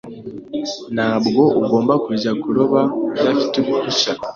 Ntabwo ugomba kujya kuroba udafite uruhushya.